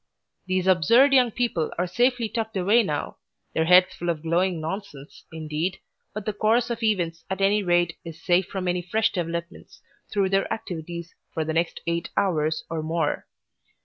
These absurd young people are safely tucked away now, their heads full of glowing nonsense, indeed, but the course of events at any rate is safe from any fresh developments through their activities for the next eight hours or more.